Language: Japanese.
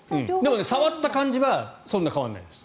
触った感じはそんなに変わらないです。